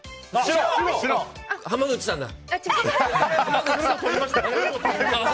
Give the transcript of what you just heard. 濱口さんだ。